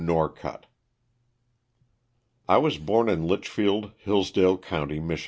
NORCUTT. T WAS born in Litchfield, Hillsdale county, Mich.